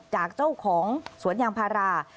จากเจ้าของสวนยางพารา